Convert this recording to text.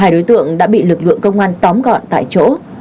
hai đối tượng đã bị lực lượng công an tóm gọn tại chỗ